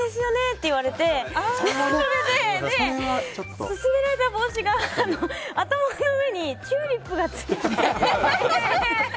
って言われて、そこで勧められた帽子が頭の上にチューリップがついてて。